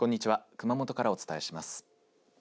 熊本からお伝えします。